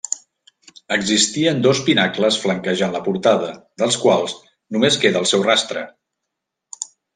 Existien dos pinacles flanquejant la portada, dels quals només queda el seu rastre.